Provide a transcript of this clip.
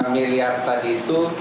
miliar tadi itu